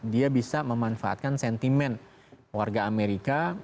dia bisa memanfaatkan sentimen warga amerika